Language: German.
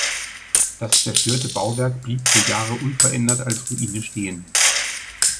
Das zerstörte Bauwerk blieb für Jahre unverändert als Ruine stehen.